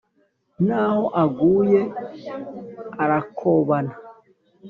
n’aho aguye arakobana!